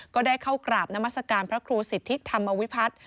ก็ได้เข้ากราบนามัศกาลพระครูสิทธิธรรมวิพัฒน์